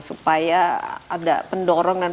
supaya ada pendorongan